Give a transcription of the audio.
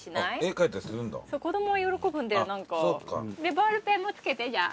ボールペンも付けてじゃあ。